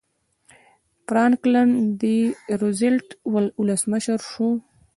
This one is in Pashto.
فرانکلن ډي روزولټ ولسمشر شو.